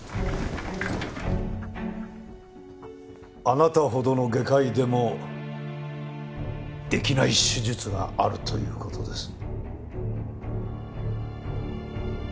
あなたほどの外科医でも出来ない手術があるという事です。